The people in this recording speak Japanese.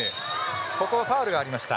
ファウルがありました。